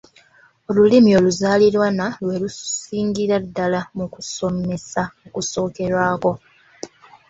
Olulimi oluzaaliranwa lwe lusingira ddala mu kusomesa okusookerwako.